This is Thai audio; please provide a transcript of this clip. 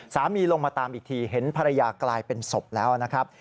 สามีลงมาตามอีกทีเห็นภรรยากลายเป็นศพแล้วนะครับ